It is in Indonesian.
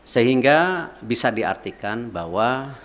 sehingga bisa diartikan bahwa